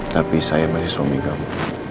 tapi saya masih suami kamu